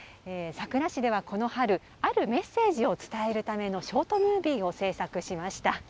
佐倉市ではこの春、あるメッセージを伝えるためのショートムービーを制作しました。